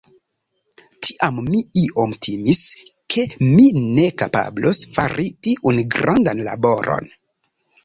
Tiam mi iom timis, ke mi ne kapablos fari tiun grandan laboron.